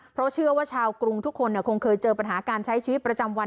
เพราะเชื่อว่าชาวกรุงทุกคนคงเคยเจอปัญหาการใช้ชีวิตประจำวัน